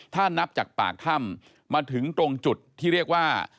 ถ้านับจากปากถ้ำมาถึงตรงจุดที่เรียกว่า